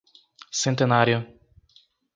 Centenário